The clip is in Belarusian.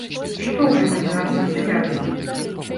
Што гэта за асацыяцыя?